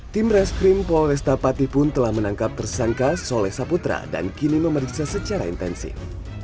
tim rest krim polesta pati pun telah menangkap tersangka soleh saputra dan kini memeriksa secara intensif